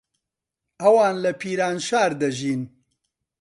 ئەوان لە پیرانشار دەژین.